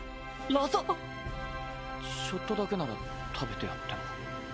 ラザ⁉ちょっとだけなら食べてやっても。